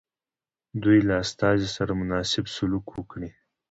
دوی له استازي سره مناسب سلوک وکړي.